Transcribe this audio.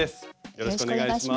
よろしくお願いします。